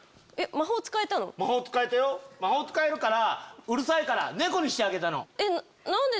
魔法使えるからうるさいから猫にしてあげたの。